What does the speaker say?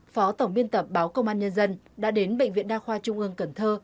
phó tổng biên tập báo công an nhân dân đã đến bệnh viện đa khoa trung ương cần thơ